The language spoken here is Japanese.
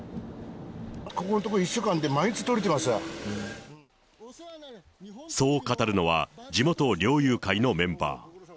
ここのところ１週間で、そう語るのは、地元猟友会のメンバー。